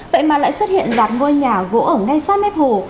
vậy mà lại xuất hiện đoạt ngôi nhà gỗ ở ngay sát mếp hồ